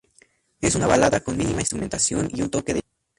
Es una balada con mínima instrumentación y un toque de jazz.